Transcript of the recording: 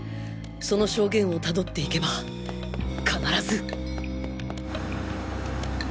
その証言を辿っていけば必ず！